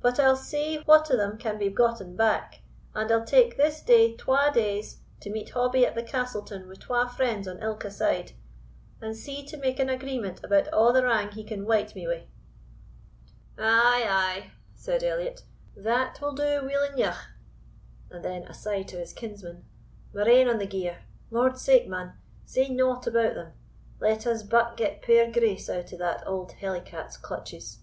But I'll see what o' them can be gotten back, and I'll take this day twa days to meet Hobbie at the Castleton wi' twa friends on ilka side, and see to make an agreement about a' the wrang he can wyte me wi'." "Ay, ay," said Elliot, "that will do weel eneugh." And then aside to his kinsman, "Murrain on the gear! Lordsake, man! say nought about them. Let us but get puir Grace out o' that auld hellicat's clutches."